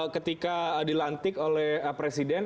ketika dilantik oleh presiden